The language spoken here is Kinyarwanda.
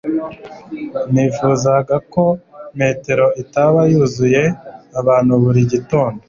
Nifuzaga ko metro itaba yuzuye abantu buri gitondo